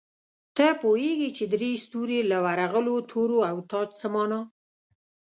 ته پوهېږې چې درې ستوري، له ورغلو تورو او تاج څه مانا؟